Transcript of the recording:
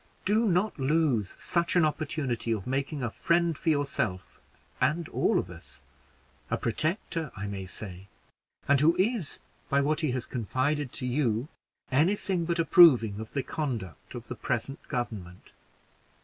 Do not lose such an opportunity of making a friend for yourself and all of us a protector, I may say and who is, by what he has confided to you, any thing but approving of the conduct of the present government.